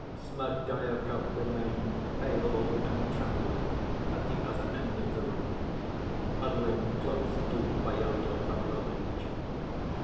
Smerdyakov remained pale and trembling at the other end of the room, huddling close to Fyodor Pavlovitch.